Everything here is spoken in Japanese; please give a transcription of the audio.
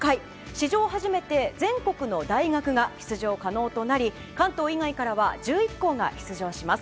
史上初めて全国の大学が出場可能となり関東以外からは１１校が出場します。